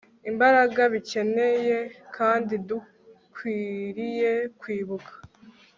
imbaraga bikeneye Kandi dukwiriye kwibuka